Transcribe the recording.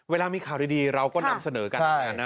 เวลามีข่าวดีเราก็นำเสนอกันแทนนะ